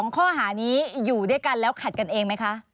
ข้อหานี้อยู่ด้วยกันแล้วขัดกันเองไหมคะ